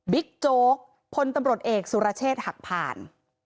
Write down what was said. โจ๊กพลตำรวจเอกสุรเชษฐ์หักผ่าน